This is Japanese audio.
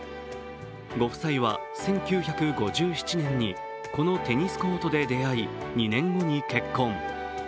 ご夫妻は１９５７年に、このテニスコートで出会い、２年後に結婚。